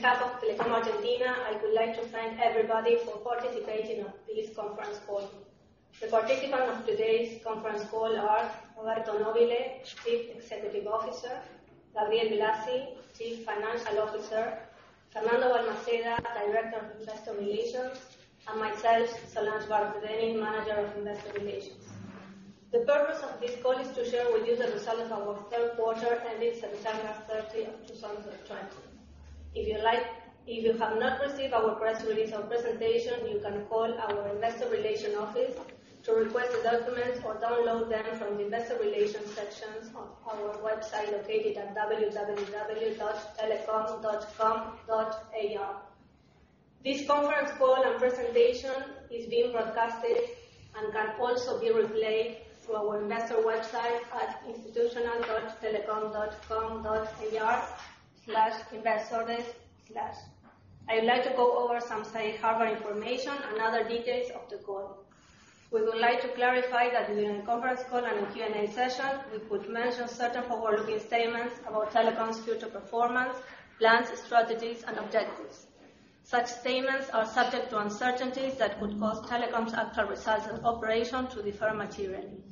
Good morning. On behalf of Telecom Argentina, I would like to thank everybody for participating in this conference call. The participants of today's conference call are Roberto Nobile, Chief Executive Officer, Gabriel Blasi, Chief Financial Officer, Fernando Balmaceda, Director of Investor Relations, and myself, Solange Barthe Dennin, Manager of Investor Relations. The purpose of this call is to share with you the results of our third quarter ending September 30, 2020. If you have not received our press release or presentation, you can call our investor relation office to request the documents or download them from the investor relations sections of our website located at www.telecom.com.ar. This conference call and presentation is being broadcasted and can also be replayed through our investor website at institutional.telecom.com.ar/investors/. I would like to go over some safe harbor information and other details of the call. We would like to clarify that during the conference call and in Q&A session, we could mention certain forward-looking statements about Telecom's future performance, plans, strategies, and objectives. Such statements are subject to uncertainties that could cause Telecom's actual results of operation to differ materially.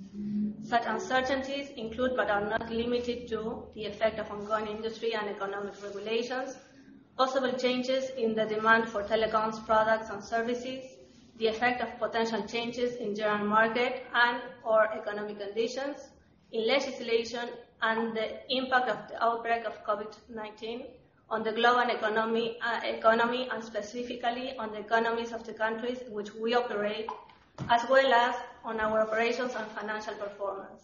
Such uncertainties include but are not limited to the effect of ongoing industry and economic regulations, possible changes in the demand for Telecom's products and services, the effect of potential changes in general market and/or economic conditions, in legislation, and the impact of the outbreak of COVID-19 on the global economy, and specifically on the economies of the countries which we operate, as well as on our operations and financial performance.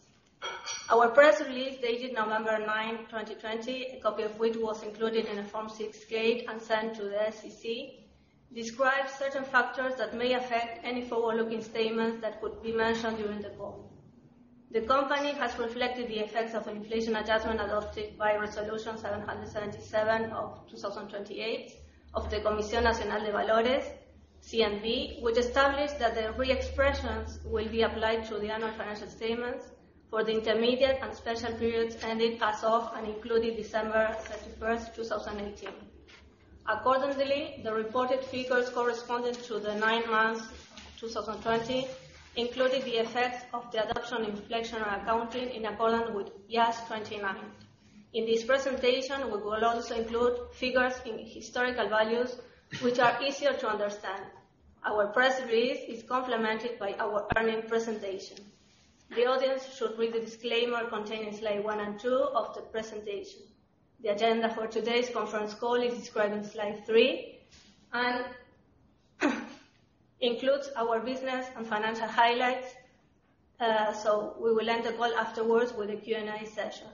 Our press release dated November 9, 2020, a copy of which was included in a Form 6-K and sent to the SEC, describes certain factors that may affect any forward-looking statements that could be mentioned during the call. The company has reflected the effects of inflation adjustment adopted by Resolution 777/2018 of the Comisión Nacional de Valores, CNV, which established that the re-expressions will be applied to the annual financial statements for the intermediate and special periods ending as of and including December 31, 2018. Accordingly, the reported figures corresponding to the nine months of 2020 included the effects of the adoption of inflationary accounting in accordance with IAS 29. In this presentation, we will also include figures in historical values, which are easier to understand. Our press release is complemented by our earnings presentation. The audience should read the disclaimer contained in slide one and two of the presentation. The agenda for today's conference call is described in slide three and includes our business and financial highlights. We will end the call afterwards with a Q&A session.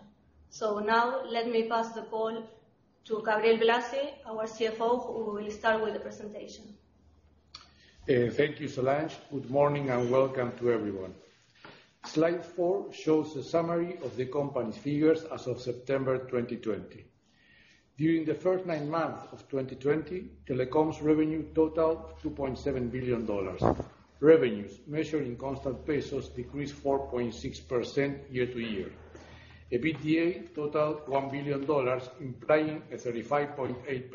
Now let me pass the call to Gabriel Blasi, our CFO, who will start with the presentation. Thank you, Solange. Good morning and welcome to everyone. Slide four shows a summary of the company's figures as of September 2020. During the first nine months of 2020, Telecom's revenue totaled $2.7 billion. Revenues measured in constant pesos decreased 4.6% year-over-year. EBITDA totaled $1 billion, implying a 35.8%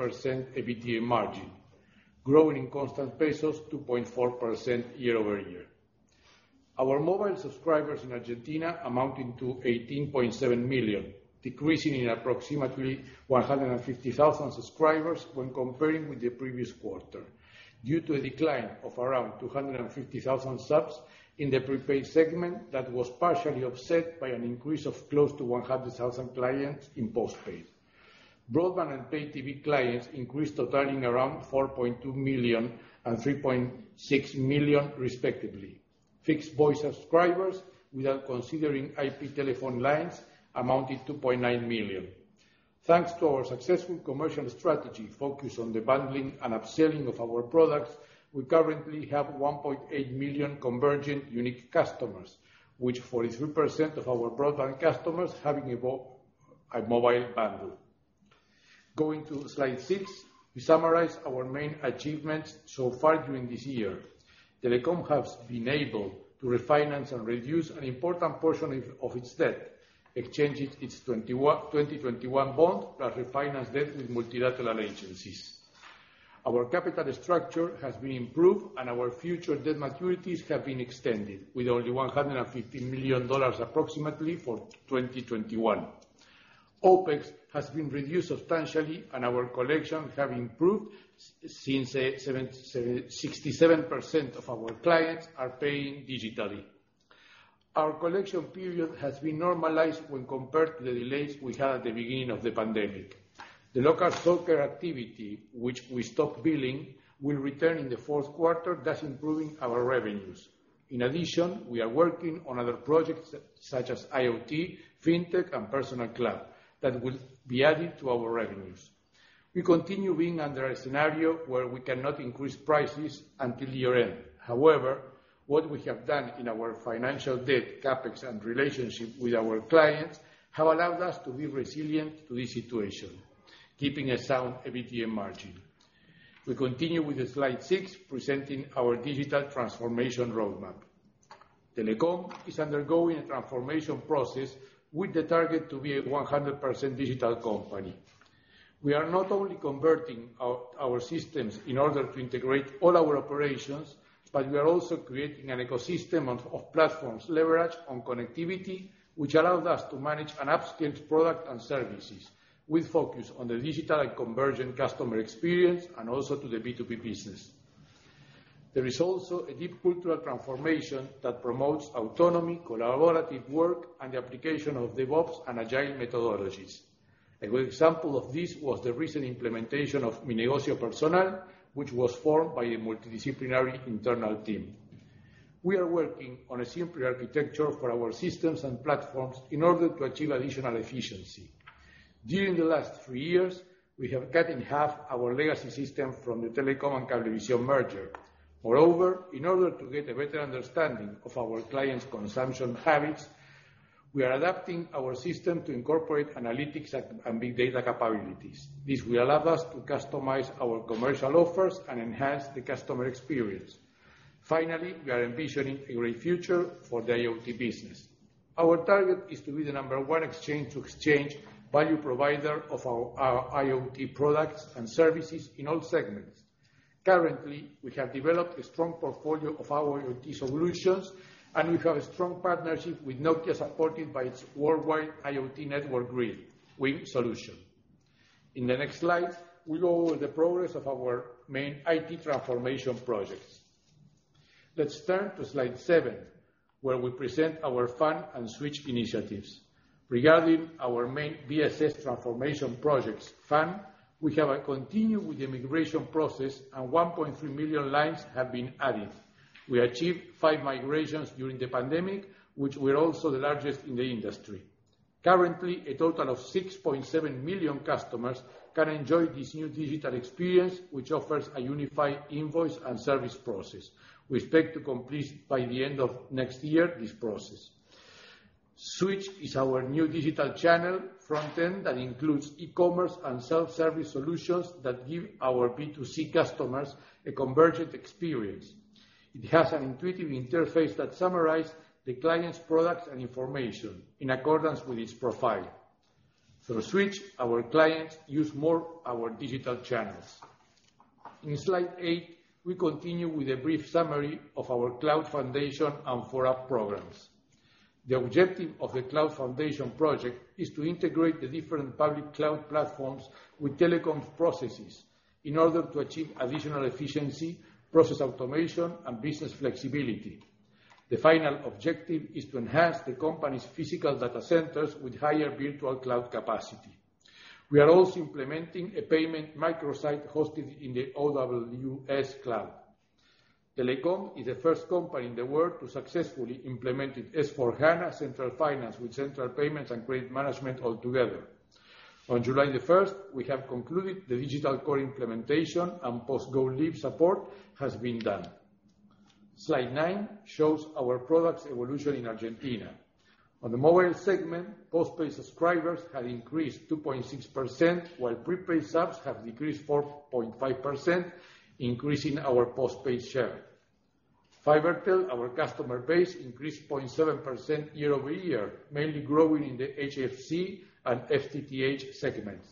EBITDA margin, growing in constant pesos 2.4% year-over-year. Our mobile subscribers in Argentina amounting to 18.7 million, decreasing in approximately 150,000 subscribers when comparing with the previous quarter due to a decline of around 250,000 subs in the prepaid segment that was partially offset by an increase of close to 100,000 clients in postpaid. Broadband and pay TV clients increased, totaling around 4.2 million and 3.6 million respectively. Fixed voice subscribers, without considering IP telephone lines, amounted to 2.9 million. Thanks to our successful commercial strategy focused on the bundling and upselling of our products, we currently have 1.8 million convergent unique customers, with 43% of our broadband customers having a mobile bundle. Going to slide six, we summarize our main achievements so far during this year. Telecom has been able to refinance and reduce an important portion of its debt, exchanging its 2021 bond plus refinance debt with multilateral agencies. Our capital structure has been improved and our future debt maturities have been extended with only $150 million approximately for 2021. OPEX has been reduced substantially and our collection have improved since 67% of our clients are paying digitally. Our collection period has been normalized when compared to the delays we had at the beginning of the pandemic. The local soccer activity, which we stopped billing, will return in the fourth quarter, thus improving our revenues. In addition, we are working on other projects such as IoT, fintech, and personal cloud that will be added to our revenues. We continue being under a scenario where we cannot increase prices until year-end. What we have done in our financial debt, CapEx, and relationship with our clients have allowed us to be resilient to this situation, keeping a sound EBITDA margin. We continue with slide six, presenting our digital transformation roadmap. Telecom is undergoing a transformation process with the target to be a 100% digital company. We are not only converting our systems in order to integrate all our operations, but we are also creating an ecosystem of platforms leveraged on connectivity, which allows us to manage and up-scale product and services, with focus on the digital and convergent customer experience, and also to the B2B business. There is also a deep cultural transformation that promotes autonomy, collaborative work, and the application of DevOps and agile methodologies. A good example of this was the recent implementation of Mi Negocio Personal, which was formed by a multidisciplinary internal team. We are working on a simpler architecture for our systems and platforms in order to achieve additional efficiency. During the last three years, we have cut in half our legacy system from the Telecom and Cablevisión merger. In order to get a better understanding of our clients' consumption habits, we are adapting our system to incorporate analytics and big data capabilities. This will allow us to customize our commercial offers and enhance the customer experience. We are envisioning a great future for the IoT business. Our target is to be the number one exchange-to-exchange value provider of our IoT products and services in all segments. Currently, we have developed a strong portfolio of our IoT solutions, and we have a strong partnership with Nokia, supported by its worldwide IoT network grid, WING solution. In the next slide, we go over the progress of our main IT transformation projects. Let's turn to slide seven, where we present our FAN and Switch initiatives. Regarding our main BSS transformation projects, FAN, we have continued with the migration process, and 1.3 million lines have been added. We achieved five migrations during the pandemic, which were also the largest in the industry. Currently, a total of 6.7 million customers can enjoy this new digital experience, which offers a unified invoice and service process. We expect to complete this process by the end of next year. Switch is our new digital channel front-end that includes e-commerce and self-service solutions that give our B2C customers a convergent experience. It has an intuitive interface that summarizes the client's products and information in accordance with its profile. Through Switch, our clients use more our digital channels. In slide eight, we continue with a brief summary of our Cloud Foundation and 4UP programs. The objective of the Cloud Foundation project is to integrate the different public cloud platforms with Telecom's processes in order to achieve additional efficiency, process automation, and business flexibility. The final objective is to enhance the company's physical data centers with higher virtual cloud capacity. We are also implementing a payment microsite hosted in the AWS cloud. Telecom is the first company in the world to successfully implement S/4HANA Central Finance with Central Payments and Credit Management all together. On July 1st, we have concluded the digital core implementation, and post-go-live support has been done. Slide nine shows our products evolution in Argentina. On the mobile segment, postpaid subscribers have increased 2.6%, while prepaid subs have decreased 4.5%, increasing our postpaid share. Fibertel, our customer base, increased 0.7% year-over-year, mainly growing in the HFC and FTTH segments.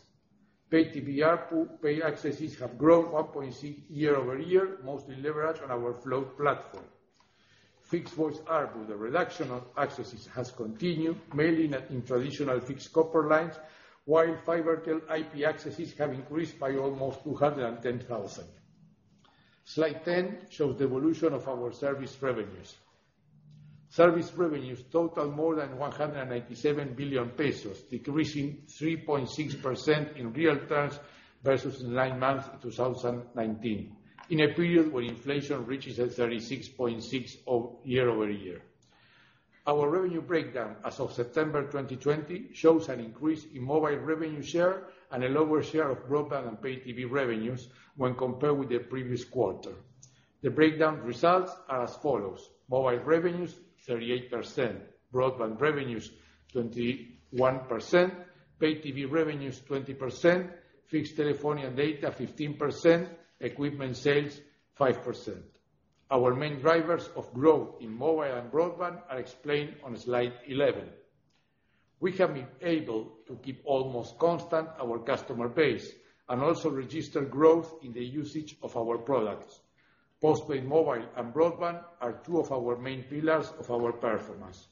Pay TV ARPU paid accesses have grown 1.6% year-over-year, mostly leveraged on our Flow platform. Fixed voice ARPU, the reduction of accesses has continued, mainly in traditional fixed copper lines, while Fibertel IP accesses have increased by almost 210,000. Slide 10 shows the evolution of our service revenues. Service revenues total more than 197 billion pesos, decreasing 3.6% in real terms versus nine months 2019, in a period where inflation reaches at 36.6% year-over-year. Our revenue breakdown as of September 2020 shows an increase in mobile revenue share and a lower share of broadband and Pay TV revenues when compared with the previous quarter. The breakdown results are as follows: mobile revenues, 38%; broadband revenues, 21%; Pay TV revenues, 20%; fixed telephone and data, 15%; equipment sales, 5%. Our main drivers of growth in mobile and broadband are explained on slide 11. We have been able to keep almost constant our customer base and also register growth in the usage of our products. Postpaid mobile and broadband are two of our main pillars of our performance.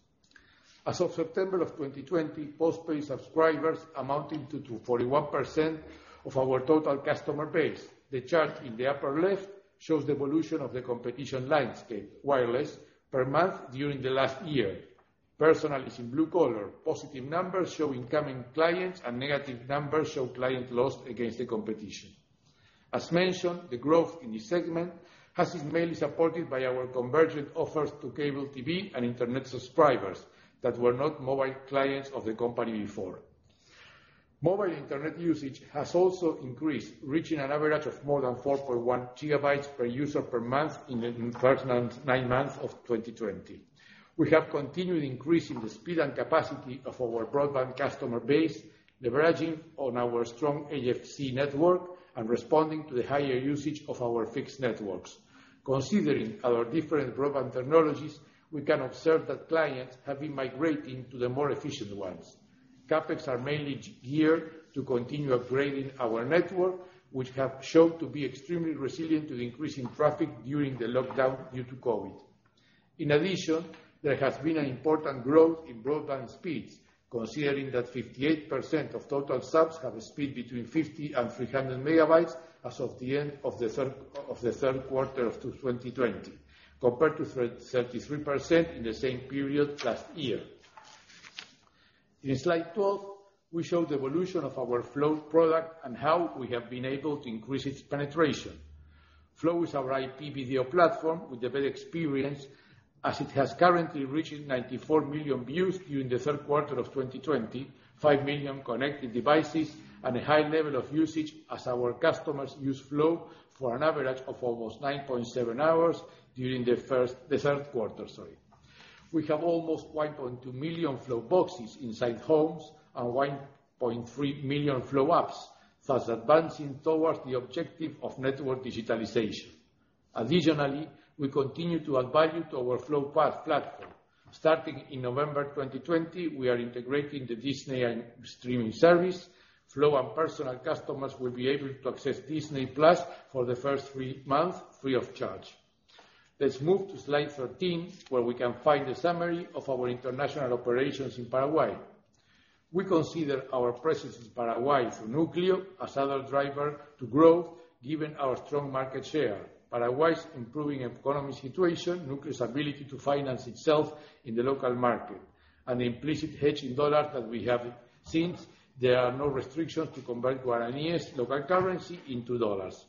As of September of 2020, postpaid subscribers amounting to 41% of our total customer base. The chart in the upper left shows the evolution of the competition landscape, wireless, per month during the last year. Personal is in blue color. Positive numbers show incoming clients and negative numbers show clients lost against the competition. As mentioned, the growth in this segment has been mainly supported by our convergent offers to cable TV and internet subscribers that were not mobile clients of the company before. Mobile internet usage has also increased, reaching an average of more than 4.1 GB per user per month in the first nine months of 2020. We have continued increasing the speed and capacity of our broadband customer base, leveraging on our strong HFC network and responding to the higher usage of our fixed networks. Considering our different broadband technologies, we can observe that clients have been migrating to the more efficient ones. CapEx are mainly geared to continue upgrading our network, which have shown to be extremely resilient to the increase in traffic during the lockdown due to COVID. In addition, there has been an important growth in broadband speeds, considering that 58% of total subs have a speed between 50 Mb and 300 Mb as of the end of the third quarter of 2020, compared to 33% in the same period last year. In slide 12, we show the evolution of our Flow product and how we have been able to increase its penetration. Flow is our IP video platform with a better experience as it has currently reached 94 million views during the third quarter of 2020, 5 million connected devices, and a high level of usage as our customers use Flow for an average of almost 9.7 hours during the third quarter. We have almost 1.2 million Flow boxes inside homes and 1.3 million Flow apps, thus advancing towards the objective of network digitalization. Additionally, we continue to add value to our Flow platform. Starting in November 2020, we are integrating the Disney streaming service. Flow and Personal customers will be able to access Disney+ for the first three months free of charge. Let's move to slide 13, where we can find the summary of our international operations in Paraguay. We consider our presence in Paraguay through Núcleo as another driver to growth given our strong market share. Paraguay's improving economic situation, Núcleo's ability to finance itself in the local market, and the implicit hedge in US dollar that we have seen, there are no restrictions to convert Guaraníes local currency into US dollars.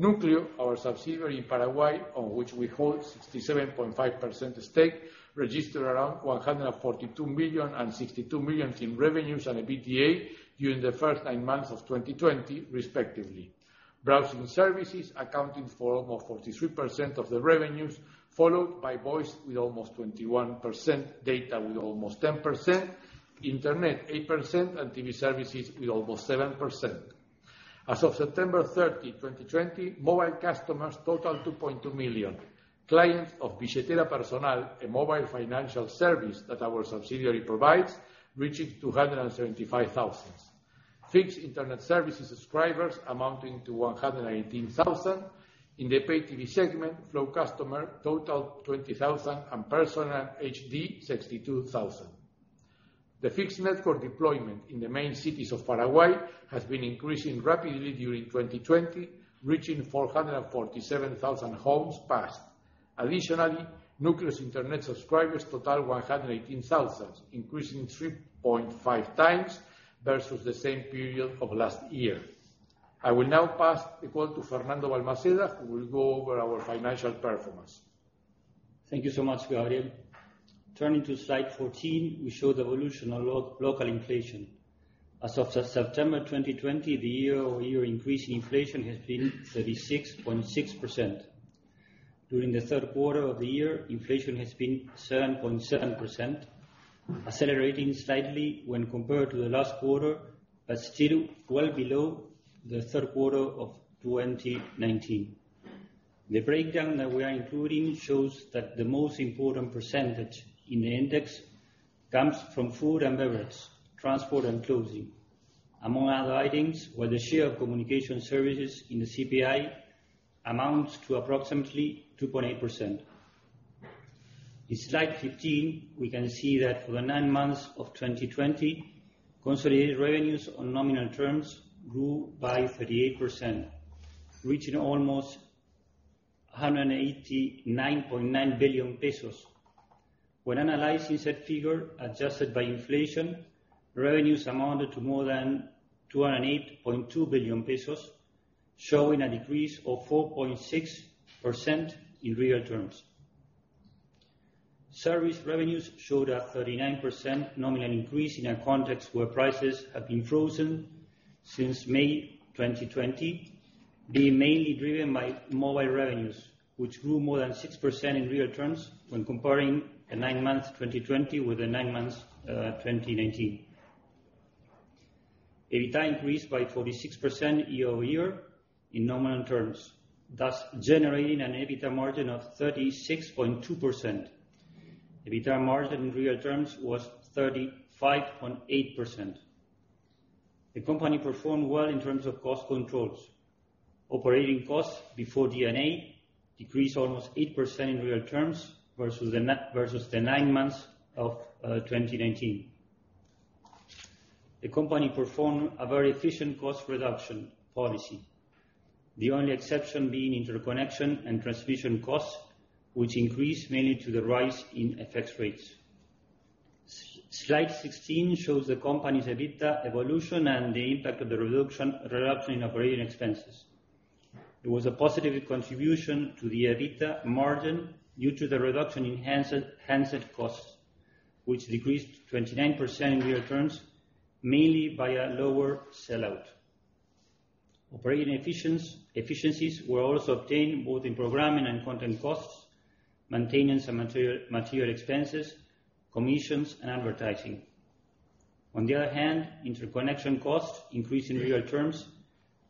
Núcleo, our subsidiary in Paraguay, on which we hold 67.5% stake, registered around $142 million and $62 million in revenues and EBITDA during the first nine months of 2020, respectively. Browsing services accounting for almost 43% of the revenues, followed by voice with almost 21%, data with almost 10%, Internet 8%, and TV services with almost 7%. As of September 30, 2020, mobile customers total 2.2 million. Clients of Billetera Personal, a mobile financial service that our subsidiary provides, reaching 275,000. Fixed Internet services subscribers amounting to 118,000. In the pay TV segment, Flow customer total 20,000 and Personal HD 62,000. The fixed network deployment in the main cities of Paraguay has been increasing rapidly during 2020, reaching 447,000 homes passed. Additionally, Núcleo's Internet subscribers total 118,000, increasing 3.5x versus the same period of last year. I will now pass the call to Fernando Balmaceda, who will go over our financial performance. Thank you so much, Gabriel. Turning to slide 14, we show the evolution of local inflation. As of September 2020, the year-over-year increase in inflation has been 36.6%. During the third quarter of the year, inflation has been 7.7%, accelerating slightly when compared to the last quarter, but still well below the third quarter of 2019. The breakdown that we are including shows that the most important percentage in the index comes from food and beverage, transport and clothing, among other items, where the share of communication services in the CPI amounts to approximately 2.8%. In slide 15, we can see that for the nine months of 2020, consolidated revenues on nominal terms grew by 38%, reaching almost 189.9 billion pesos. When analyzing said figure adjusted by inflation, revenues amounted to more than 208.2 billion pesos, showing a decrease of 4.6% in real terms. Service revenues showed a 39% nominal increase in a context where prices have been frozen since May 2020, being mainly driven by mobile revenues, which grew more than 6% in real terms when comparing the nine months 2020 with the nine months 2019. EBITDA increased by 46% year-over-year in nominal terms, thus generating an EBITDA margin of 36.2%. EBITDA margin in real terms was 35.8%. The company performed well in terms of cost controls. Operating costs before D&A decreased almost 8% in real terms versus the nine months of 2019. The company performed a very efficient cost reduction policy. The only exception being interconnection and transmission costs, which increased mainly to the rise in FX rates. Slide 16 shows the company's EBITDA evolution and the impact of the reduction in operating expenses. There was a positive contribution to the EBITDA margin due to the reduction in handset costs, which decreased 29% in real terms, mainly via lower sell-out. Operating efficiencies were also obtained both in programming and content costs, maintenance and material expenses, commissions, and advertising. On the other hand, interconnection costs increased in real terms,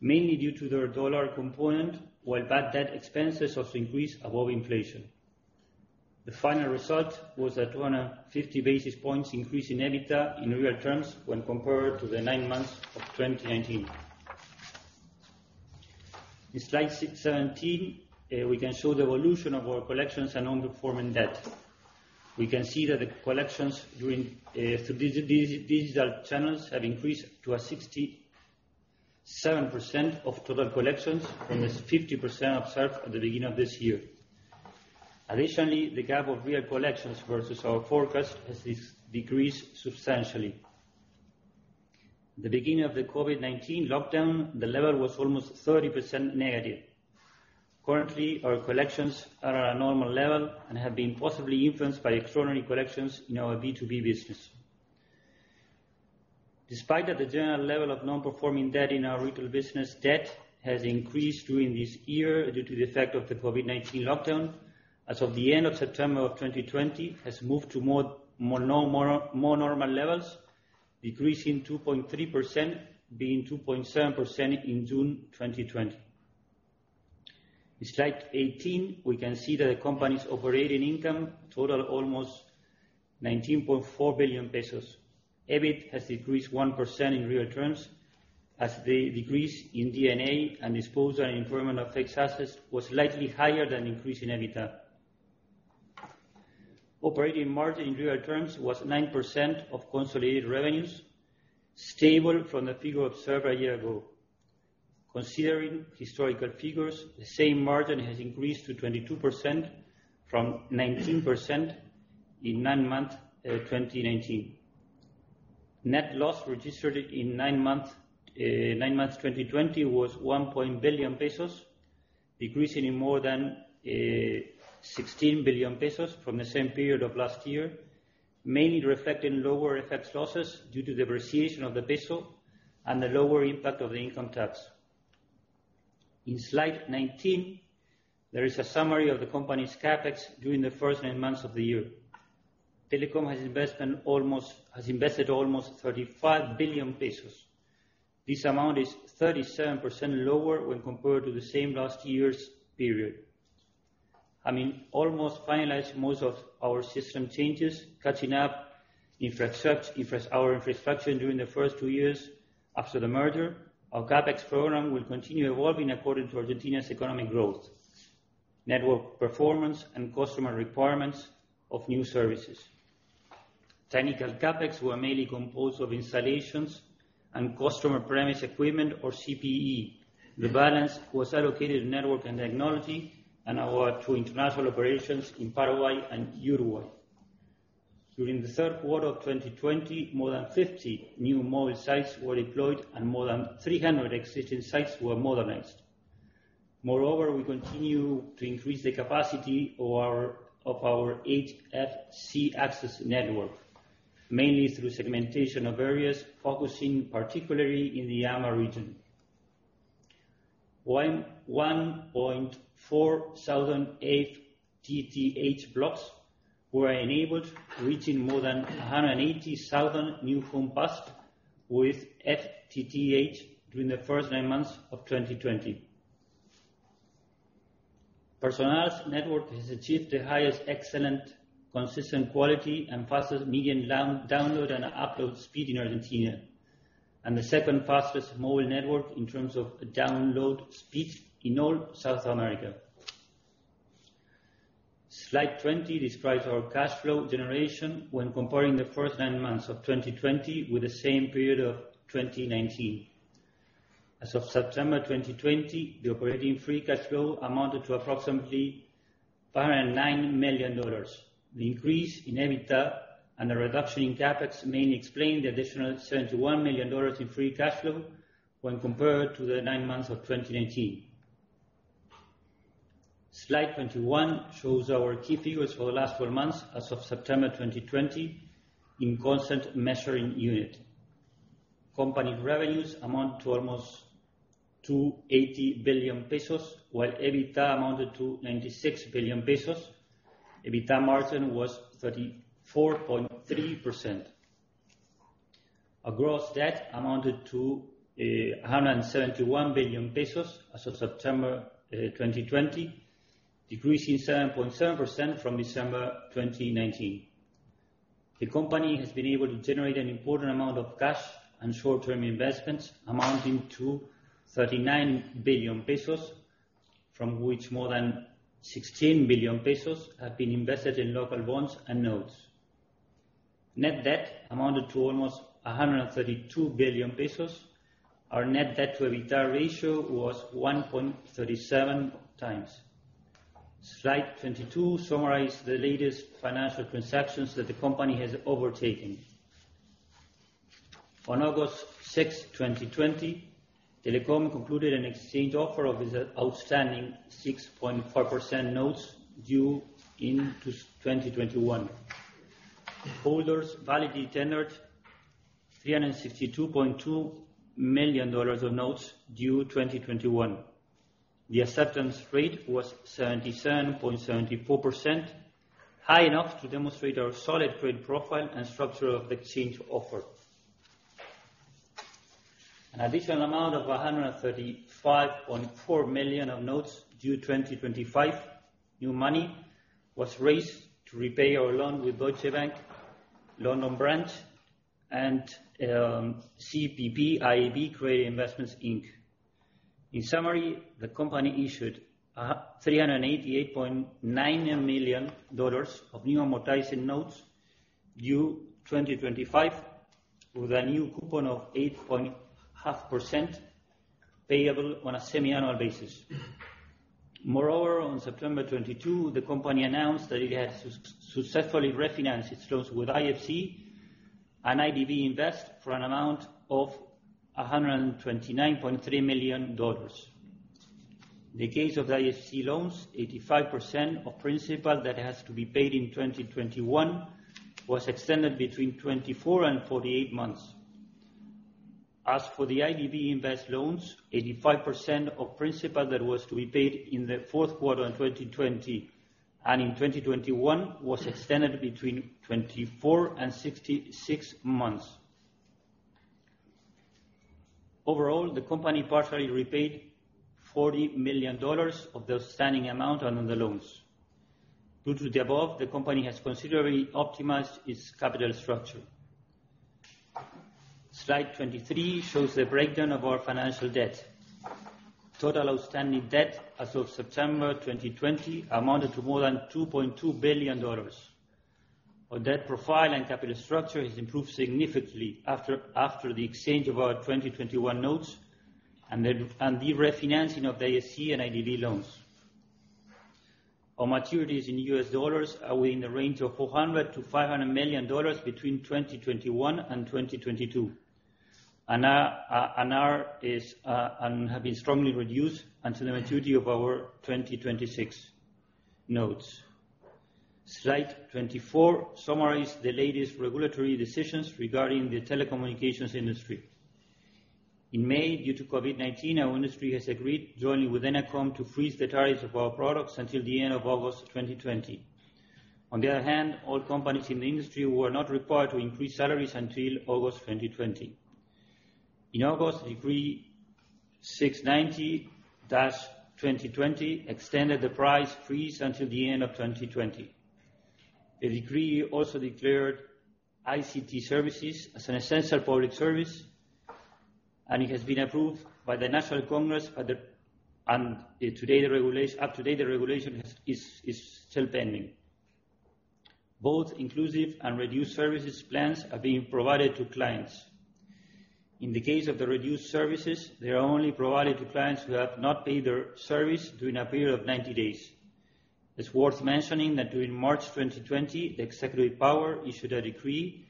mainly due to their dollar component, while bad debt expenses also increased above inflation. The final result was a 250 basis points increase in EBITDA in real terms when compared to the nine months of 2019. In slide 17, we can show the evolution of our collections and non-performing debt. We can see that the collections through digital channels have increased to 67% of total collections from the 50% observed at the beginning of this year. Additionally, the gap of real collections versus our forecast has decreased substantially. The beginning of the COVID-19 lockdown, the level was almost 30% negative. Currently, our collections are at a normal level and have been possibly influenced by extraordinary collections in our B2B business. Despite that, the general level of non-performing debt in our retail business, debt has increased during this year due to the effect of the COVID-19 lockdown. As of the end of September of 2020, has moved to more normal levels, decreasing 2.3%, being 2.7% in June 2020. In slide 18, we can see that the company's operating income totaled almost 19.4 billion pesos. EBIT has decreased 1% in real terms as the decrease in D&A and disposal and impairment of fixed assets was slightly higher than increase in EBITDA. Operating margin in real terms was 9% of consolidated revenues, stable from the figure observed a year ago. Considering historical figures, the same margin has increased to 22% from 19% in nine months 2019. Net loss registered in nine months 2020 was 1 billion pesos, decreasing in more than 16 billion pesos from the same period of last year, mainly reflecting lower FX losses due to the appreciation of the peso and the lower impact of the income tax. In slide 19, there is a summary of the company's CapEx during the first nine months of the year. Telecom has invested almost 35 billion pesos. This amount is 37% lower when compared to the same last year's period. Having almost finalized most of our system changes, catching up our infrastructure during the first two years after the merger, our CapEx program will continue evolving according to Argentina's economic growth, network performance, and customer requirements of new services. Technical CapEx were mainly composed of installations and customer premise equipment or CPE. The balance was allocated network and technology and our two international operations in Paraguay and Uruguay. During the third quarter of 2020, more than 50 new mobile sites were deployed and more than 300 existing sites were modernized. Moreover, we continue to increase the capacity of our HFC access network, mainly through segmentation of areas, focusing particularly in the AMBA region. 1.4 thousand FTTH blocks were enabled, reaching more than 180,000 new home passed with FTTH during the first nine months of 2020. Personal's network has achieved the highest excellent, consistent quality and fastest median download and upload speed in Argentina, and the second fastest mobile network in terms of download speed in all of South America. Slide 20 describes our cash flow generation when comparing the first nine months of 2020 with the same period of 2019. As of September 2020, the operating free cash flow amounted to approximately $509 million. The increase in EBITDA and the reduction in CapEx mainly explain the additional $71 million in free cash flow when compared to the nine months of 2019. Slide 21 shows our key figures for the last 12 months as of September 2020 in constant measuring unit. Company revenues amount to almost 280 billion pesos, while EBITDA amounted to 96 billion pesos. EBITDA margin was 34.3%. Our gross debt amounted to 171 billion pesos as of September 2020, decreasing 7.7% from December 2019. The company has been able to generate an important amount of cash and short-term investments amounting to 39 billion pesos, from which more than 16 billion pesos have been invested in local bonds and notes. Net debt amounted to almost 132 billion pesos. Our net debt to EBITDA ratio was 1.37x. Slide 22 summarize the latest financial transactions that the company has overtaken. On August 6, 2020, Telecom concluded an exchange offer of its outstanding 6.4% notes due in 2021. Holders validly tendered $362.2 million of notes due 2021. The acceptance rate was 77.74%, high enough to demonstrate our solid credit profile and structure of the exchange offer. An additional amount of $135.4 million of notes due 2025, new money, was raised to repay our loan with Deutsche Bank, London Branch, and CPPIB Credit Investments Inc. In summary, the company issued $388.9 million of new amortizing notes due 2025, with a new coupon of 8.5% payable on a semiannual basis. On September 22, the company announced that it had successfully refinanced its loans with IFC and IDB Invest for an amount of $129.3 million. In the case of the IFC loans, 85% of principal that has to be paid in 2021 was extended between 24 and 48 months. For the IDB Invest loans, 85% of principal that was to be paid in the fourth quarter in 2020 and in 2021 was extended between 24 and 66 months. The company partially repaid $40 million of the outstanding amount on the loans. Due to the above, the company has considerably optimized its capital structure. Slide 23 shows the breakdown of our financial debt. Total outstanding debt as of September 2020 amounted to more than $2.2 billion. Our debt profile and capital structure has improved significantly after the exchange of our 2021 notes and the refinancing of the IFC and IDB loans. Our maturities in US dollars are within a range of $400 million-$500 million between 2021 and 2022, and have been strongly reduced until the maturity of our 2026 notes. Slide 24 summarizes the latest regulatory decisions regarding the telecommunications industry. In May, due to COVID-19, our industry has agreed jointly with ENACOM to freeze the tariffs of our products until the end of August 2020. On the other hand, all companies in the industry were not required to increase salaries until August 2020. In August, Decree 690-2020 extended the price freeze until the end of 2020. The decree also declared ICT services as an essential public service, and it has been approved by the National Congress. Up to date, the regulation is still pending. Both inclusive and reduced services plans are being provided to clients. In the case of the reduced services, they are only provided to clients who have not paid their service during a period of 90 days. It's worth mentioning that during March 2020, the executive power issued a decree,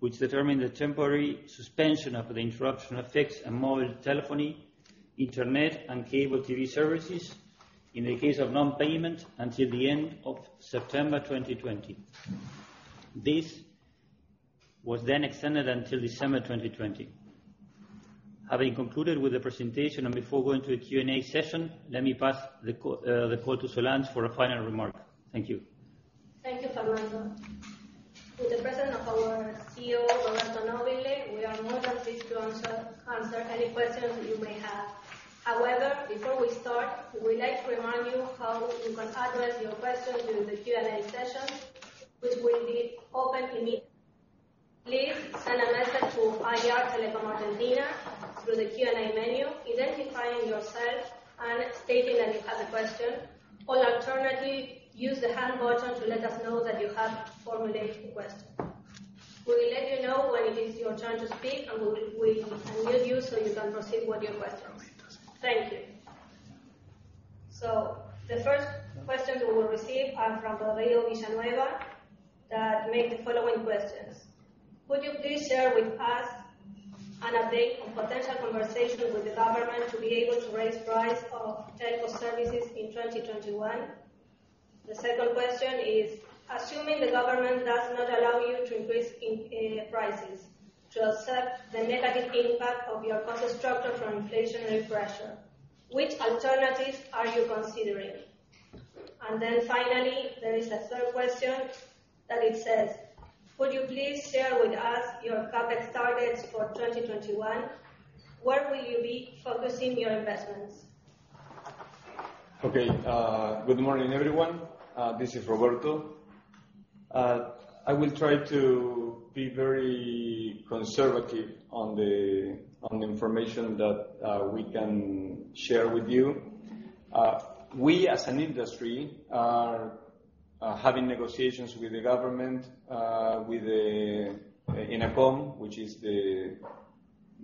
which determined the temporary suspension of the interruption of fixed and mobile telephony, internet, and cable TV services in the case of non-payment until the end of September 2020. This was then extended until December 2020. Having concluded with the presentation and before going to the Q&A session, let me pass the call to Solange for a final remark. Thank you. Thank you, Fernando. With the presence of our CEO, Roberto Nobile, we are more than pleased to answer any questions you may have. Before we start, we would like to remind you how you can address your questions during the Q&A session, which will be open immediately. Please send a message to IR Telecom Argentina through the Q&A menu, identifying yourself and stating that you have a question, or alternatively, use the Hand button to let us know that you have formulated a question. We will let you know when it is your turn to speak, we will unmute you so you can proceed with your questions. Thank you. The first questions we will receive are from Rodrigo Villanueva that make the following questions. Would you please share with us an update on potential conversations with the government to be able to raise price of Telecom services in 2021? The second question is, assuming the government does not allow you to increase prices to offset the negative impact of your cost structure from inflationary pressure, which alternatives are you considering? Finally, there is a third question that it says, could you please share with us your CapEx targets for 2021? Where will you be focusing your investments? Okay. Good morning, everyone. This is Roberto. I will try to be very conservative on the information that we can share with you. We, as an industry, are having negotiations with the government, with ENACOM, which is the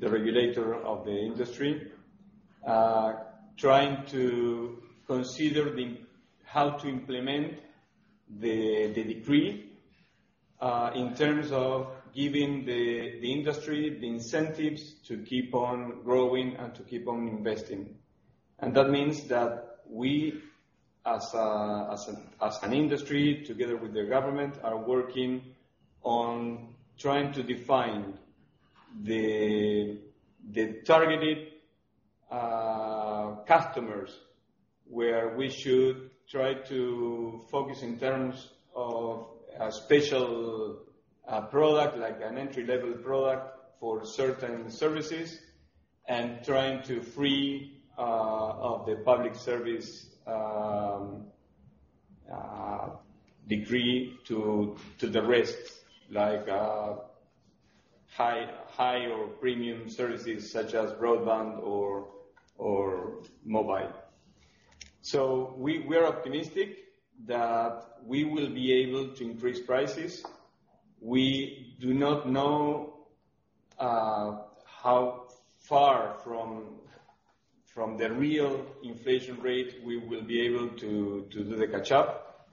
regulator of the industry, trying to consider how to implement the decree in terms of giving the industry the incentives to keep on growing and to keep on investing. That means that we, as an industry, together with the government, are working on trying to define the targeted customers where we should try to focus in terms of a special product, like an entry-level product for certain services, and trying to free up the public service decree to the rest, like high or premium services such as broadband or mobile. We are optimistic that we will be able to increase prices. We do not know how far from the real inflation rate we will be able to do the catch-up,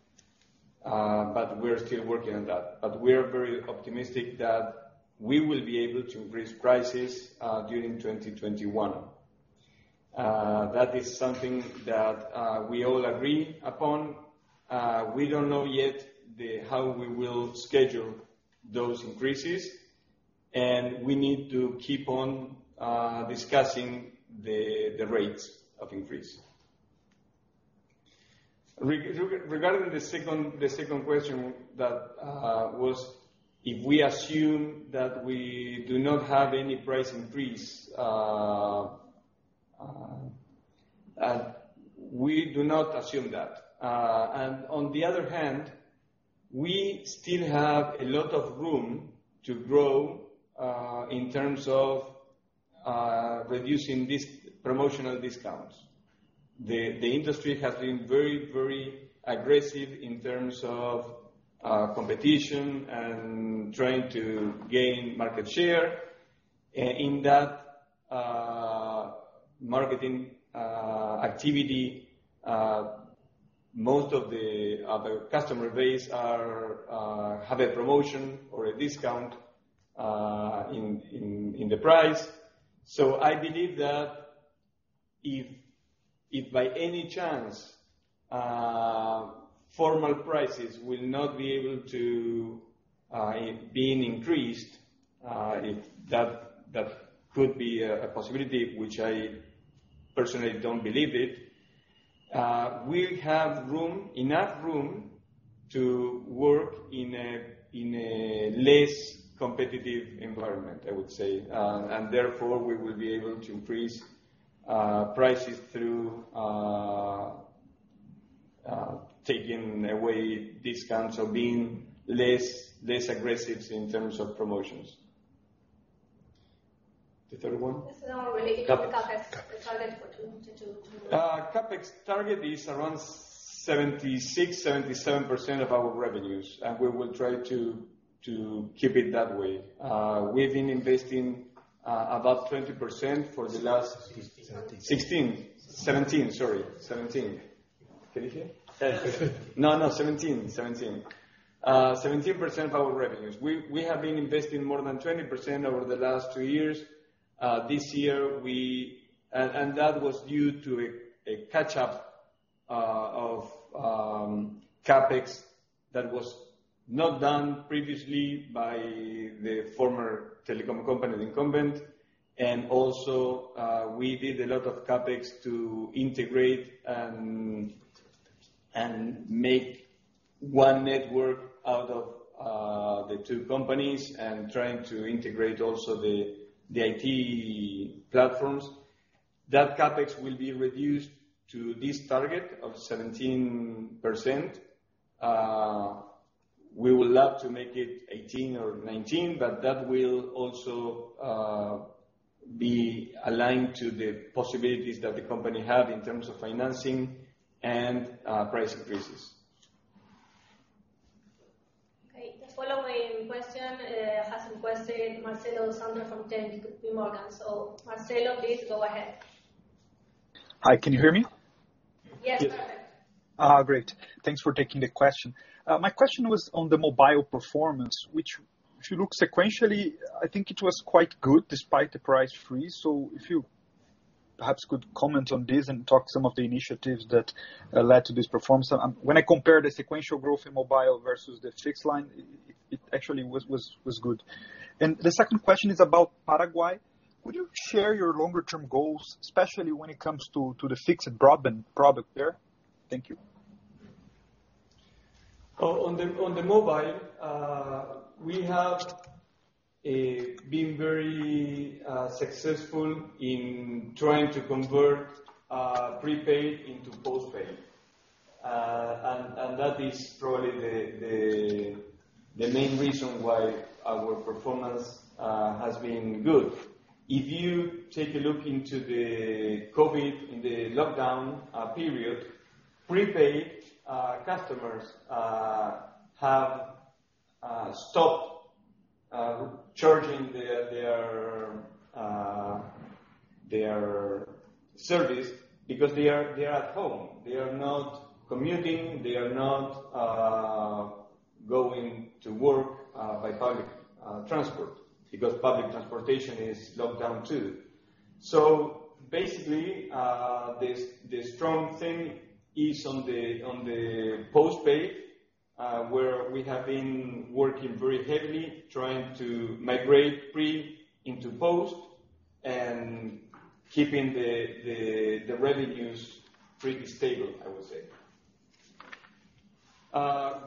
but we're still working on that. We are very optimistic that we will be able to increase prices during 2021. That is something that we all agree upon. We don't know yet how we will schedule those increases, and we need to keep on discussing the rates of increase. Regarding the second question, that was if we assume that we do not have any price increase. We do not assume that. On the other hand, we still have a lot of room to grow in terms of reducing promotional discounts. The industry has been very aggressive in terms of competition and trying to gain market share. In that marketing activity, most of the customer base have a promotion or a discount in the price. I believe that if by any chance formal prices will not be able to be increased, if that could be a possibility, which I personally don't believe it, we'll have enough room to work in a less competitive environment, I would say. Therefore, we will be able to increase prices through taking away discounts or being less aggressive in terms of promotions. The third one? This is now related to the CapEx target for 2022. CapEx target is around 76%, 77% of our revenues, and we will try to keep it that way. We've been investing about 20% 16%. 17%. 16%. 17%, sorry. 17%. Can you hear? No, no. 17%. We have been investing more than 20% over the last two years. That was due to a catch-up of CapEx that was not done previously by the former telecom company, the incumbent. Also, we did a lot of CapEx to integrate and make one network out of the two companies, and trying to integrate also the IT platforms. That CapEx will be reduced to this target of 17%. We would love to make it 18% or 19%, but that will also be aligned to the possibilities that the company have in terms of financing and price increases. Okay. The following question has been posted, Marcelo Santos from JPMorgan. Marcelo, please go ahead. Hi. Can you hear me? Yes, perfect. Great. Thanks for taking the question. My question was on the mobile performance, which if you look sequentially, I think it was quite good despite the price freeze. If you perhaps could comment on this and talk some of the initiatives that led to this performance. When I compare the sequential growth in mobile versus the fixed line, it actually was good. The second question is about Paraguay. Would you share your longer-term goals, especially when it comes to the fixed broadband product there? Thank you. On the mobile, we have been very successful in trying to convert prepaid into postpaid. That is probably the main reason why our performance has been good. If you take a look into the COVID, in the lockdown period, prepaid customers have stopped charging their service because they are at home. They are not commuting. They are not going to work by public transport because public transportation is locked down, too. Basically, the strong thing is on the postpaid, where we have been working very heavily, trying to migrate pre into post and keeping the revenues pretty stable, I would say.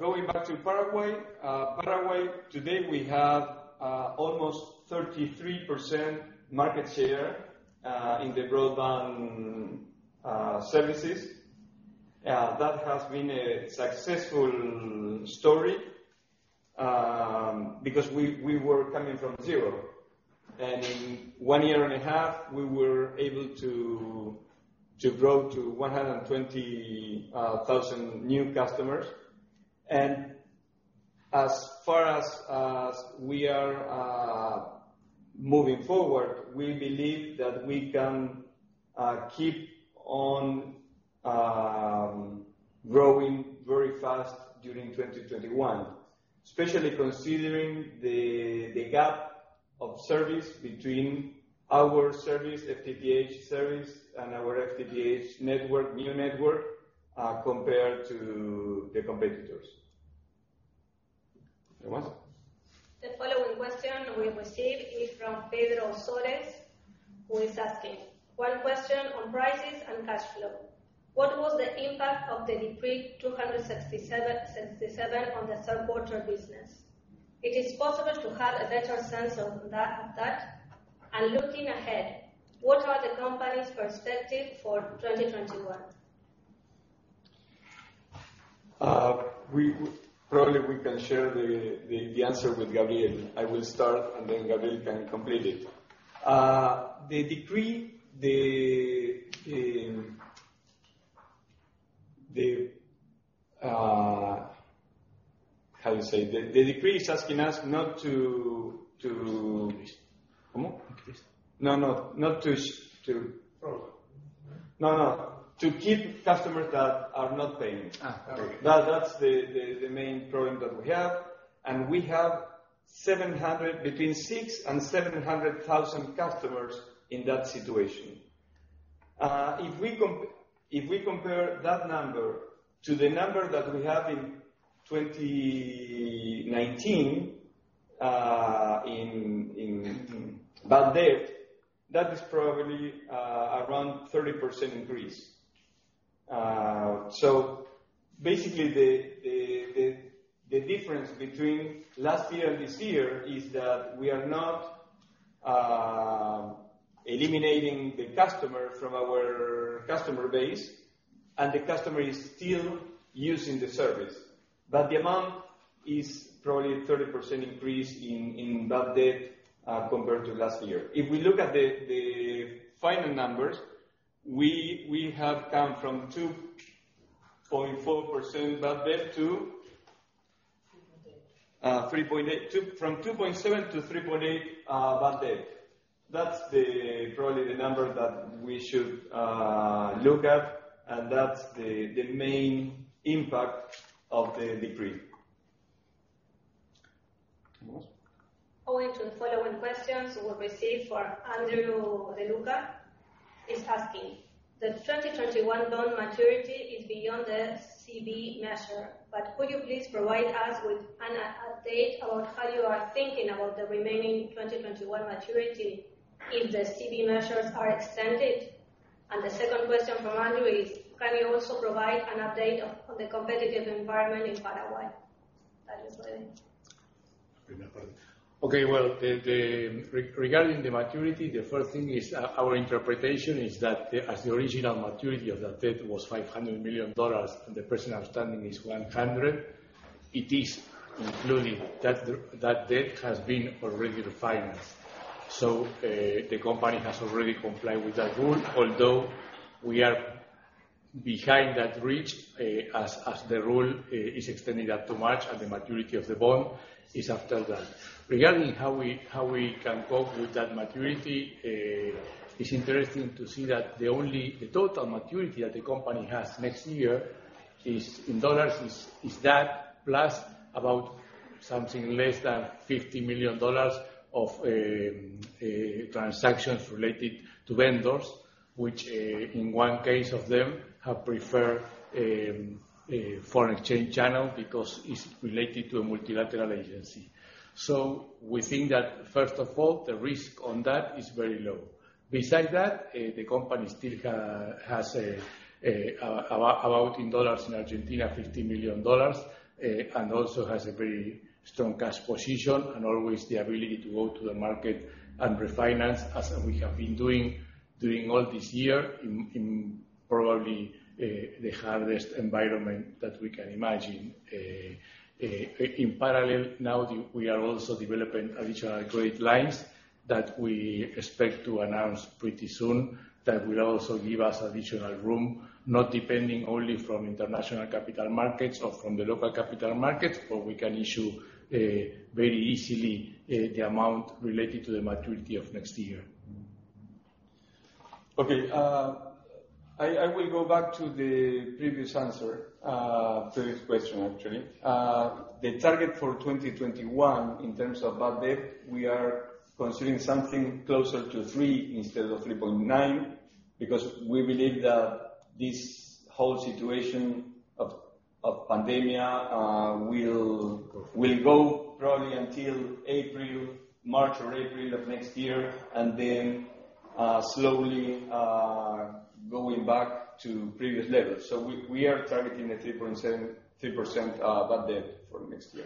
Going back to Paraguay. Paraguay, today we have almost 33% market share in the broadband services. That has been a successful story because we were coming from zero. In one year and a half, we were able to grow to 120,000 new customers. As far as we are moving forward, we believe that we can keep on growing very fast during 2021, especially considering the gap of service between our service, FTTH service, and our FTTH network, new network, compared to the competitors. Tomás? The following question we received is from Pedro Soares, who is asking one question on prices and cash flow. What was the impact of the Decree 690 on the third quarter business? Is it possible to have a better sense of that? Looking ahead, what are the company's perspective for 2021? Probably we can share the answer with Gabriel. I will start, and then Gabriel can complete it. The decree is asking us, No, to keep customers that are not paying. Okay. That's the main problem that we have, and we have between 600,000 and 700,000 customers in that situation. If we compare that number to the number that we had in 2019 in bad debt, that is probably around 30% increase. Basically, the difference between last year and this year is that we are not eliminating the customer from our customer base, and the customer is still using the service. The amount is probably a 30% increase in bad debt compared to last year. If we look at the final numbers, we have come from 2.4% bad debt. 3.8%. From 2.7% to 3.8% bad debt. That's probably the number that we should look at, and that's the main impact of the decree. Tomás. Going to the following questions we received from Andres de Luca. He is asking, the 2021 bond maturity is beyond the BCRA measure, but could you please provide us with an update about how you are thinking about the remaining 2021 maturity if the BCRA measures are extended? The second question from Andres is, can you also provide an update on the competitive environment in Paraguay? Okay. Well, regarding the maturity, the first thing is our interpretation is that as the original maturity of that debt was $500 million, and the present outstanding is $100 million, it is included. That debt has been already refinanced. The company has already complied with that rule, although we are behind that reach, as the rule is extended up to March, and the maturity of the bond is after that. Regarding how we can cope with that maturity, it's interesting to see that the total maturity that the company has next year in dollars is that plus about something less than $50 million of transactions related to vendors, which in one case of them have preferred a foreign exchange channel because it's related to a multilateral agency. We think that, first of all, the risk on that is very low. Besides that, the company still has about, in dollars in Argentina, $50 million, and also has a very strong cash position and always the ability to go to the market and refinance as we have been doing during all this year in probably the hardest environment that we can imagine. Now we are also developing additional credit lines that we expect to announce pretty soon that will also give us additional room, not depending only from international capital markets or from the local capital markets, but we can issue very easily the amount related to the maturity of next year. Okay. I will go back to the previous question. The target for 2021 in terms of bad debt, we are considering something closer to 3% instead of 3.9%, because we believe that this whole situation of pandemic will go probably until March or April of next year, and then slowly going back to previous levels. We are targeting a 3% bad debt for next year.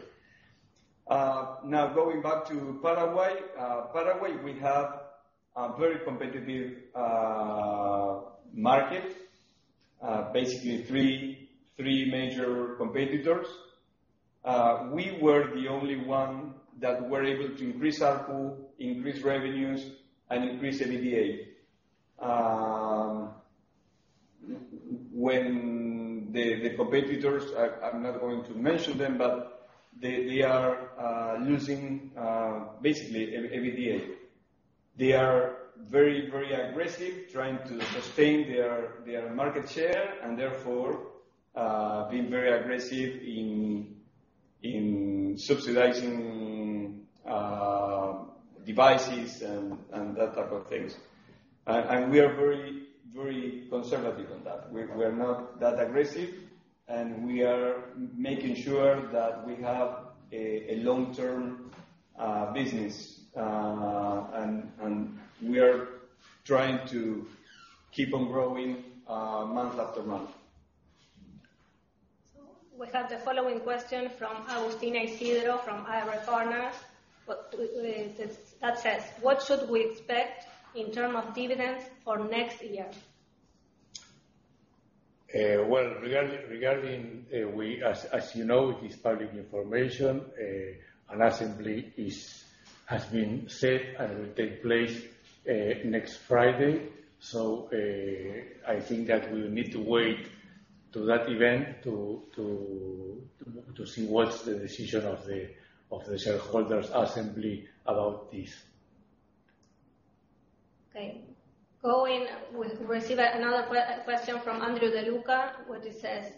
Going back to Paraguay. Paraguay, we have a very competitive market. Basically three major competitors. We were the only one that were able to increase ARPU, increase revenues, and increase EBITDA. The competitors, I'm not going to mention them, but they are losing, basically, EBITDA. They are very aggressive trying to sustain their market share and therefore, being very aggressive in subsidizing devices and that type of things. We are very conservative on that. We're not that aggressive, and we are making sure that we have a long-term business. We are trying to keep on growing month after month. We have the following question from Agustina O'Donnell from IR Partners, that says, "What should we expect in terms of dividends for next year? Well, regarding we, as you know, this public information, an assembly has been set and will take place next Friday. I think that we'll need to wait to that event to see what's the decision of the shareholders assembly about this. Okay. We receive another question from Andres de Luca, which says,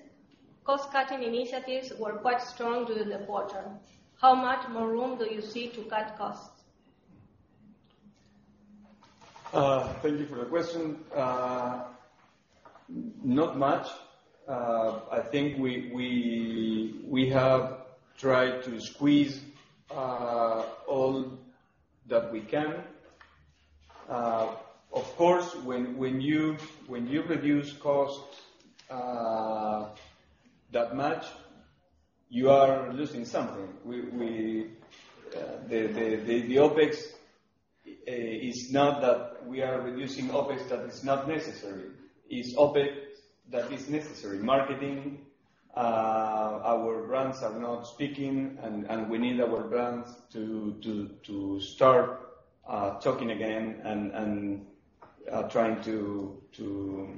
"Cost-cutting initiatives were quite strong during the quarter. How much more room do you see to cut costs? Thank you for the question. Not much. I think we have tried to squeeze all that we can. Of course, when you reduce costs that much, you are losing something. We are reducing OPEX that is not necessary. It's OPEX that is necessary. Marketing. Our brands are not speaking, and we need our brands to start talking again and trying to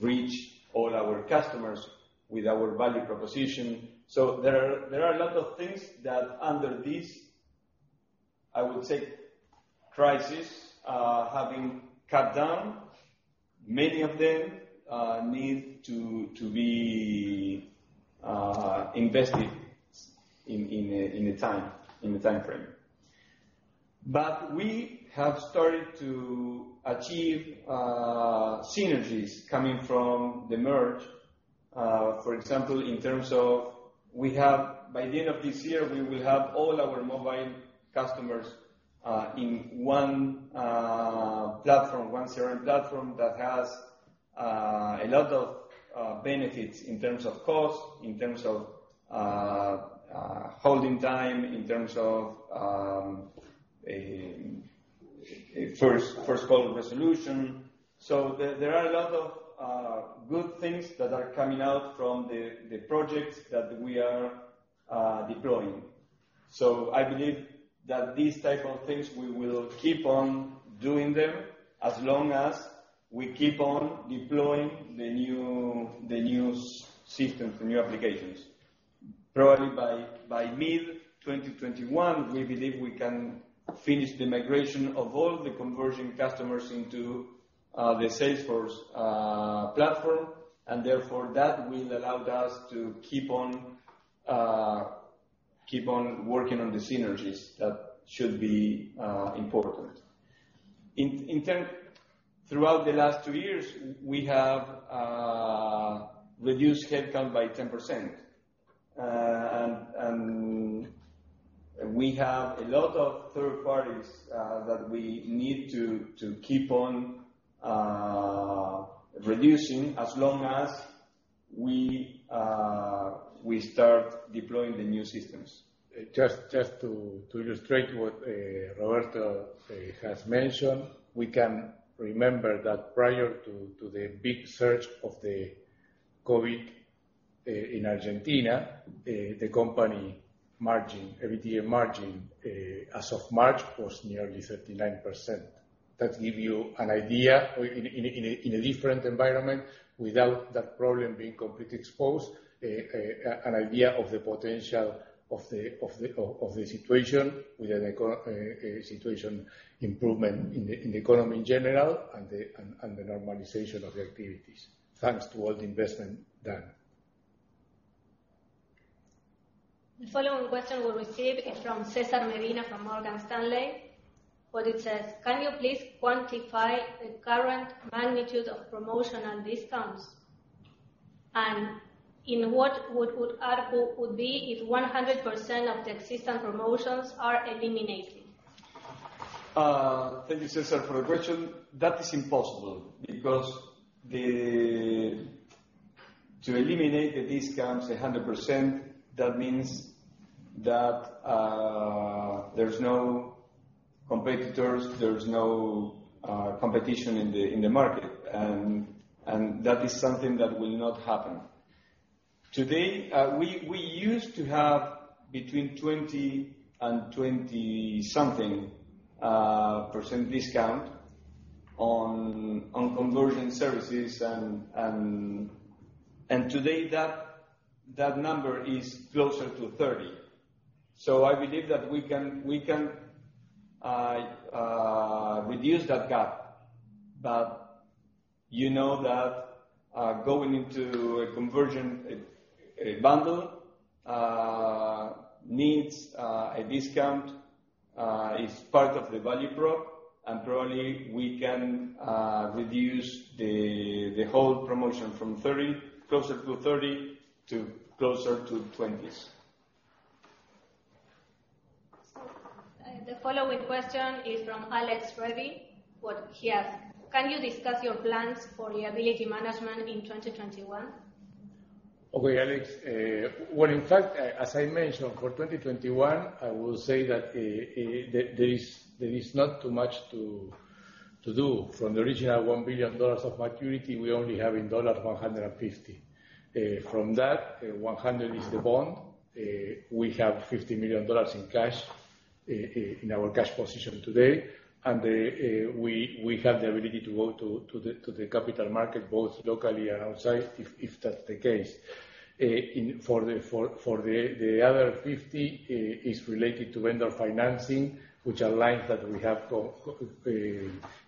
reach all our customers with our value proposition. There are a lot of things that under this, I would say, crisis, have been cut down. Many of them need to be invested in the timeframe. We have started to achieve synergies coming from the merge. For example, by the end of this year, we will have all our mobile customers in one platform, one CRM platform that has a lot of benefits in terms of cost, in terms of holding time, in terms of first call resolution. There are a lot of good things that are coming out from the projects that we are deploying. I believe that these type of things, we will keep on doing them as long as we keep on deploying the new systems, the new applications. Probably by mid-2021, we believe we can finish the migration of all the conversion customers into the Salesforce platform, and therefore, that will allow us to keep on working on the synergies. That should be important. Throughout the last two years, we have reduced headcount by 10%. We have a lot of third parties that we need to keep on reducing as long as we start deploying the new systems. Just to illustrate what Roberto has mentioned, we can remember that prior to the big surge of the COVID in Argentina, the company margin, EBITDA margin, as of March, was nearly 39%. That give you an idea in a different environment without that problem being completely exposed, an idea of the potential of the situation with a situation improvement in the economy in general and the normalization of the activities. Thanks to all the investment done. The following question we received from Cesar Medina from Morgan Stanley, where it says: "Can you please quantify the current magnitude of promotional discounts? What would ARPU would be if 100% of the existing promotions are eliminated? Thank you, Cesar, for the question. That is impossible because to eliminate the discounts 100%, that means that there's no competitors, there's no competition in the market. That is something that will not happen. Today, we used to have between 20% and 20-something% discount on conversion services, and today that number is closer to 30%. I believe that we can reduce that gap. You know that going into a conversion bundle needs a discount is part of the value prop, and probably we can reduce the whole promotion from closer to 30% to closer to 20s%. The following question is from Alex Reddy, where he asks: "Can you discuss your plans for liability management in 2021? Okay, Alex. In fact, as I mentioned, for 2021, I will say that there is not too much to do. From the original $1 billion of maturity, we only have in dollars $150 million. From that, $100 million is the bond. We have $50 million in cash in our cash position today. We have the ability to go to the capital market, both locally and outside, if that's the case. For the other $50 million, it's related to vendor financing, which are lines that we have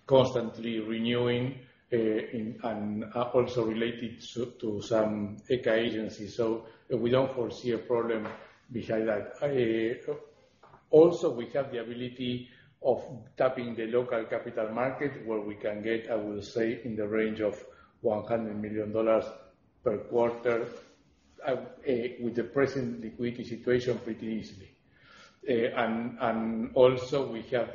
constantly renewing. Also related to some ECA agencies. We don't foresee a problem behind that. Also, we have the ability of tapping the local capital market where we can get, I will say, in the range of $100 million per quarter, with the present liquidity situation pretty easily. Also we have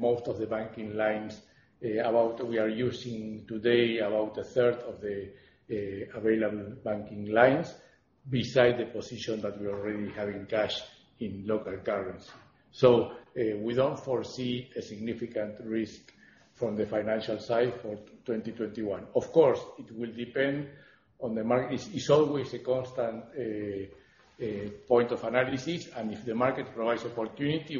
most of the banking lines. We are using today about a third of the available banking lines beside the position that we already have in cash in local currency. We don't foresee a significant risk from the financial side for 2021. Of course, it will depend on the market. It's always a constant point of analysis, and if the market provides opportunity,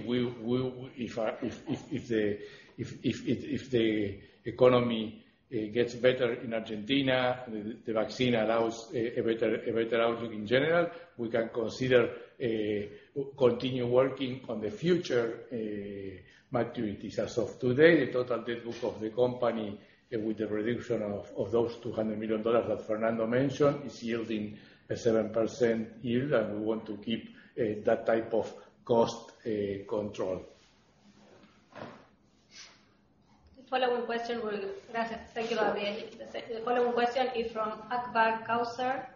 if the economy gets better in Argentina, the vaccine allows a better outlook in general, we can consider continue working on the future maturities. As of today, the total debt book of the company, with the reduction of those $200 million that Fernando mentioned, is yielding a 7% yield, and we want to keep that type of cost control. Thank you, Gabriel. The following question is from Akbar Kauser.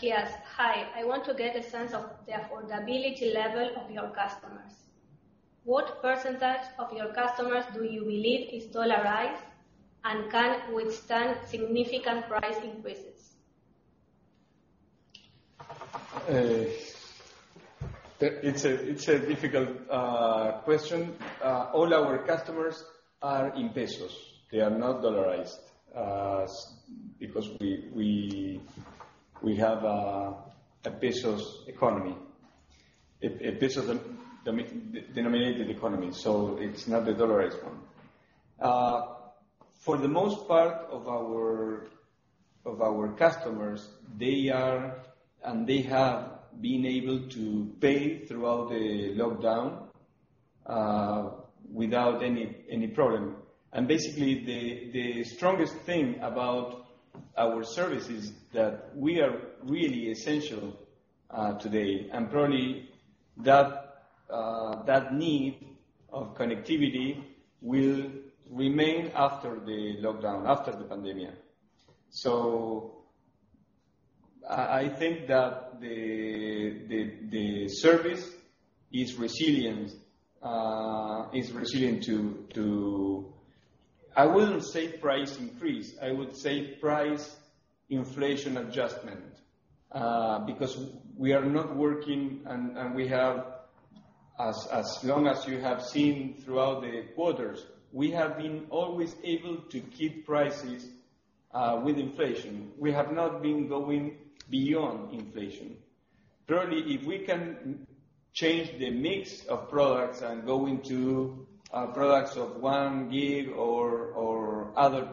He asks: "Hi. I want to get a sense of the affordability level of your customers. What percentage of your customers do you believe is dollarized and can withstand significant price increases? It's a difficult question. All our customers are in pesos. They are not dollarized because we have a pesos economy, a pesos-denominated economy, so it's not the dollarized one. For the most part of our customers, they are and they have been able to pay throughout the lockdown without any problem. Basically, the strongest thing about our service is that we are really essential today, and probably that need of connectivity will remain after the lockdown, after the pandemic. I think that the service is resilient to, I wouldn't say price increase, I would say price inflation adjustment, because we are not working, and as long as you have seen throughout the quarters, we have been always able to keep prices with inflation. We have not been going beyond inflation. Probably, if we can change the mix of products and go into products of 1 gig or other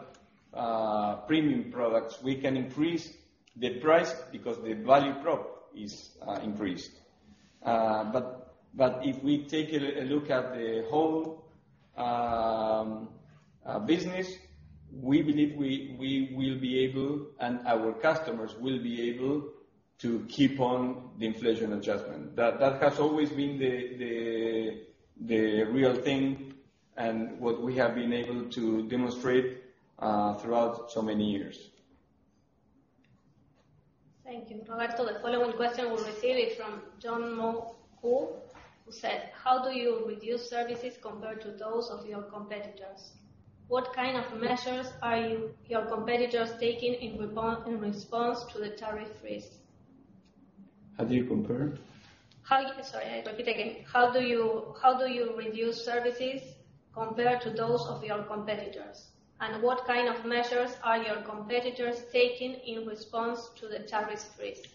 premium products, we can increase the price because the value prop is increased. If we take a look at the whole business, we believe we will be able, and our customers will be able, to keep on the inflation adjustment. That has always been the real thing, and what we have been able to demonstrate throughout so many years. Thank you, Roberto. The following question, we'll receive it from John Mohu, who said, "How do your reduced services compare to those of your competitors? What kind of measures are your competitors taking in response to the tariff freeze? How do you compare? Sorry, I repeat again. How do you reduce services compared to those of your competitors, and what kind of measures are your competitors taking in response to the tariff freeze?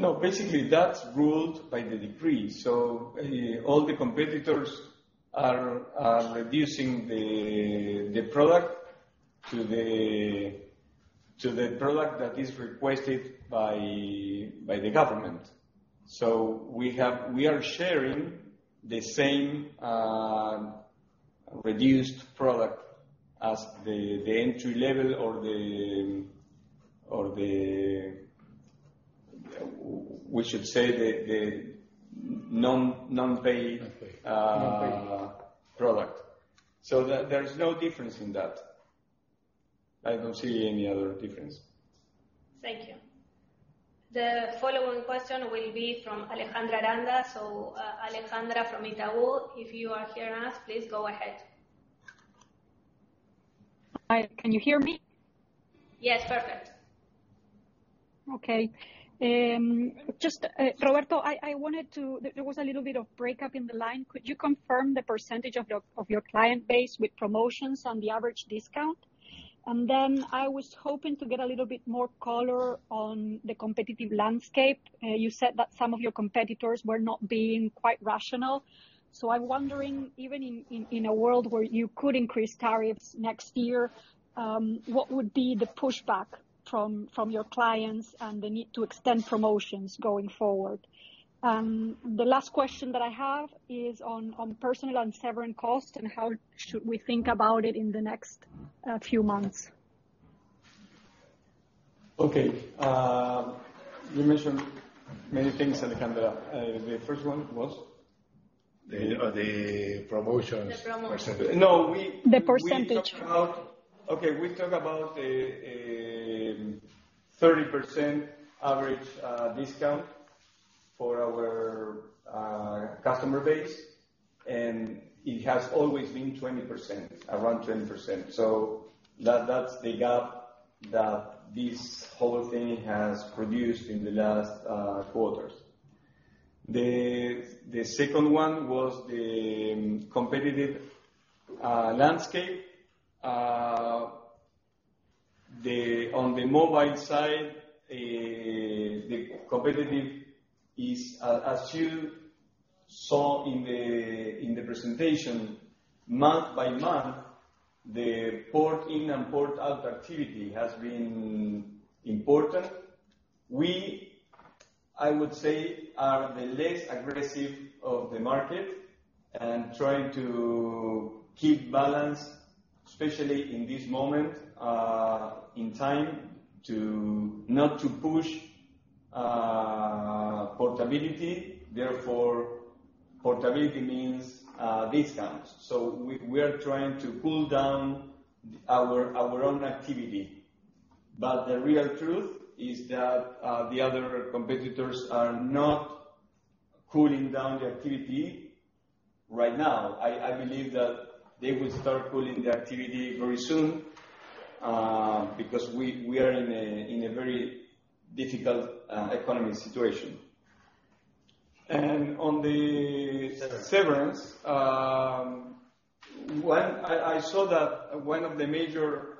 No, basically, that's ruled by the decree. All the competitors are reducing the product to the product that is requested by the government. We are sharing the same reduced product as the entry level or, we should say, the non-pay product. There's no difference in that. I don't see any other difference. Thank you. The following question will be from Alejandra Aranda. Alejandra from Itaú, if you are hearing us, please go ahead. Hi, can you hear me? Yes. Perfect. Okay. Roberto, there was a little bit of break up in the line. Could you confirm the percentage of your client base with promotions on the average discount? Then I was hoping to get a little bit more color on the competitive landscape. You said that some of your competitors were not being quite rational. I'm wondering, even in a world where you could increase tariffs next year, what would be the pushback from your clients and the need to extend promotions going forward? The last question that I have is on personnel and severance cost, and how should we think about it in the next few months? Okay. You mentioned many things, Alejandra. The first one was? The promotions. The promotions. Percentage. The percentage. We talk about a 30% average discount for our customer base. It has always been around 20%. That's the gap that this whole thing has produced in the last quarters. The second one was the competitive landscape. On the mobile side, the competitive is as you saw in the presentation, month by month, the port in and port out activity has been important. We, I would say, are the less aggressive of the market and trying to keep balance, especially in this moment in time, not to push portability. Portability means discounts. We are trying to pull down our own activity. The real truth is that the other competitors are not cooling down the activity right now. I believe that they will start cooling the activity very soon, because we are in a very difficult economic situation. On the severance, I saw that one of the major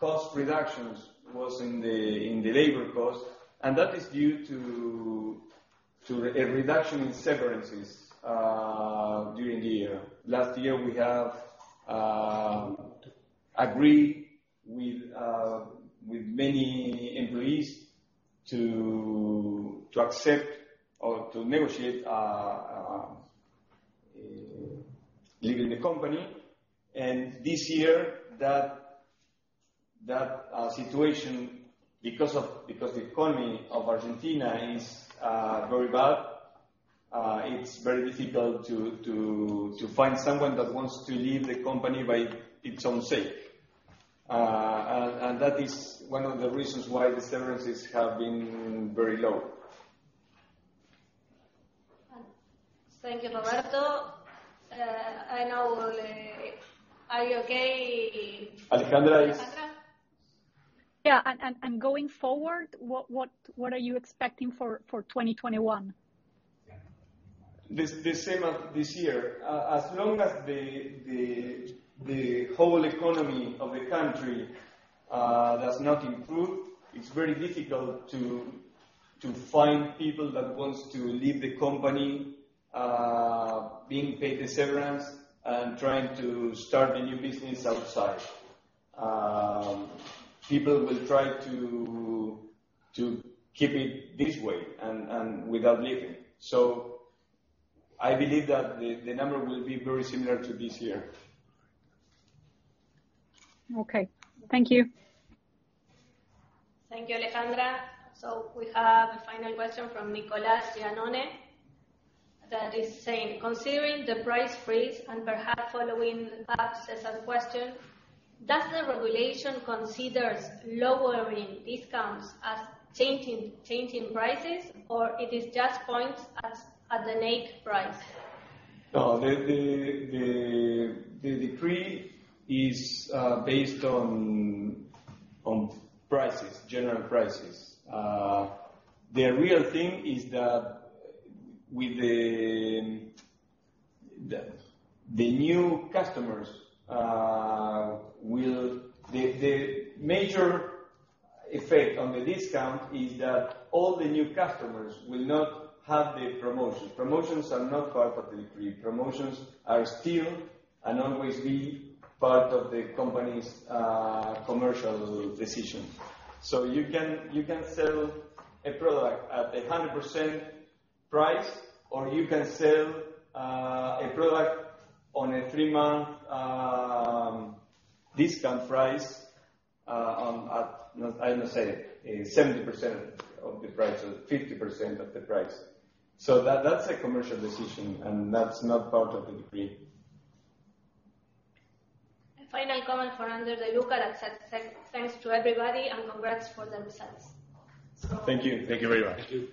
cost reductions was in the labor cost. That is due to a reduction in severances during the year. Last year, we have agreed with many employees to accept or to negotiate leaving the company. This year, that situation, because the economy of Argentina is very bad, it's very difficult to find someone that wants to leave the company by its own sake. That is one of the reasons why the severances have been very low. Thank you, Roberto. Are you okay, Alejandra? Yeah. Going forward, what are you expecting for 2021? The same as this year. As long as the whole economy of the country does not improve, it is very difficult to find people that wants to leave the company, being paid the severance, and trying to start a new business outside. People will try to keep it this way and without leaving. I believe that the number will be very similar to this year. Okay. Thank you. Thank you, Alejandra. We have a final question from Nicolas Giannone that is saying, considering the price freeze and perhaps following up Cesar's question, does the regulation consider lowering discounts as changing prices, or it is just points at the list price? The decree is based on general prices. The real thing is that the major effect on the discount is that all the new customers will not have the promotions. Promotions are not part of the decree. Promotions are still and always be part of the company's commercial decision. You can sell a product at 100% price, or you can sell a product on a three-month discount price at, I don't know, say, 70% of the price or 50% of the price. That's a commercial decision, and that's not part of the decree. A final comment from Andres de Luca that says, "Thanks to everybody, and congrats for the results. Thank you. Thank you very much. Thank you.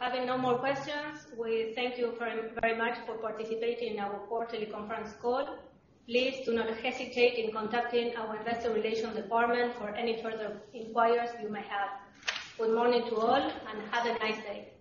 Having no more questions, we thank you very much for participating in our quarterly conference call. Please do not hesitate in contacting our investor relations department for any further inquiries you may have. Good morning to all, and have a nice day.